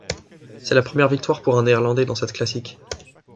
C'est la première victoire pour un Néerlandais dans cette classique.